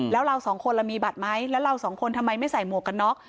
แล้วเราสองคนเรามีบัตรไหมแล้วเราสองคนทำไมไม่ใส่หมวกกันน็อก